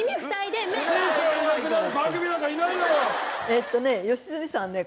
えっとね良純さんはね